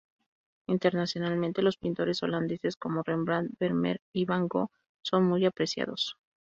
Internacionalmente, los pintores holandeses como Rembrandt, Vermeer y Van Gogh son muy apreciados.